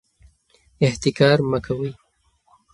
احتکار مه کوئ.